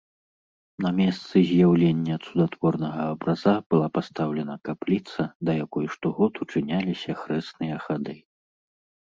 На месцы з'яўлення цудатворнага абраза была пастаўлена капліца, да якой штогод учыняліся хрэсныя хады.